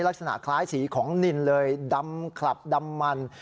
ลักษณะคล้ายสีของนินเลยดำขลับดำมัน